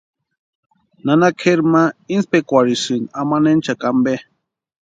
Nana kʼeri ma intspekwarhisïnti amanhenchakwa ampe.